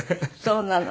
そうなの。